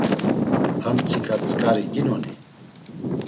Armtsika tzǩari ginoni?